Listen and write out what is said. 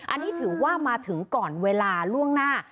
อันนี้ถือว่ามาถึงก่อนเวลาล่วงหน้า